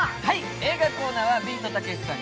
映画コーナーはビートたけしさん